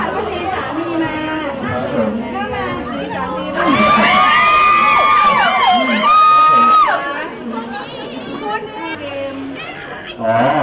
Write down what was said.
โปรดติดตามต่อไป